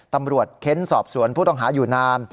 ตำรวจเค้นสอบสวนผู้ต่อหาอยู่นาน